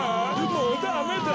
もうダメだ。